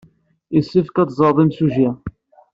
Yessefk ad teẓreḍ imsujji.